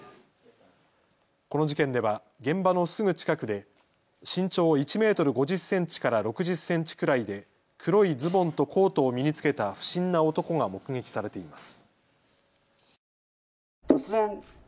この事件では現場のすぐ近くで身長１メートル５０センチから６０センチくらいで黒いズボンとコートを身に着けた不審な男が目撃されています。